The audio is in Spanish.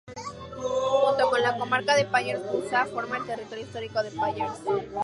Junto con la comarca de Pallars Jussá forma el territorio histórico de Pallars.